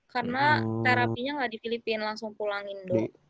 karena terapinya gak di filipina langsung pulang indo